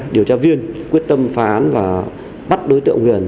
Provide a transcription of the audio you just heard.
điều tra viên quyết tâm phá án và bắt đối tượng huyền